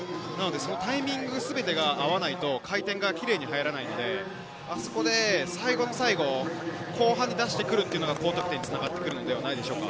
そのタイミング全てが合わないと回転がキレイに入らないので、最後の最後、後半で出してくるというのが後半につながってくるのではないでしょうか。